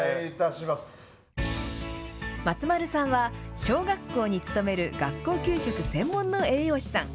松丸さんは小学校に勤める学校給食専門の栄養士さん。